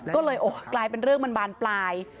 ก็เลยกลายเป็นเรื่องมันบานปลาย